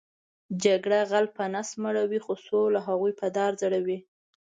جګړه غلۀ په نس مړؤی خو سوله هغوې په دار ځړؤی